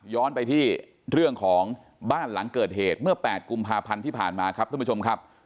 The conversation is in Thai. ไปที่เรื่องของบ้านหลังเกิดเหตุเมื่อ๘กุมภาพันธ์ที่ผ่านมาครับท่านผู้ชมครับ